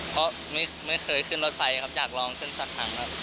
เพราะไม่เคยขึ้นรถไฟครับอยากลองขึ้นสักครั้งครับ